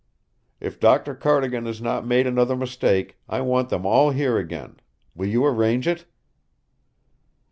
If Doctor Cardigan has not made another mistake, I want them all here again. Will you arrange it?"